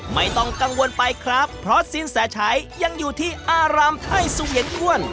ไม่ต้องกังวลไปครับเพราะสินแสชัยยังอยู่ที่อารามไทยสุเวียนก้วน